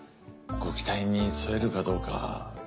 ご期待にそえるかどうか。